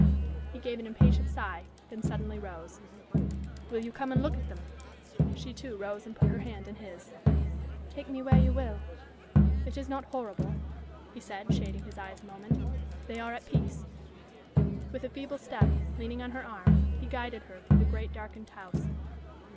He gave an impatient sigh, then suddenly rose. "Will you come and look at them?" She, too, rose and put her hand in his. "Take me where you will." "It is not horrible," he said, shading his eyes a moment. "They are at peace." With a feeble step, leaning on her arm, he guided her through the great, darkened house.